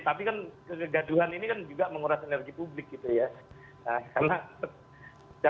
tapi kan kegaduhan ini kan juga menguras energi publik gitu ya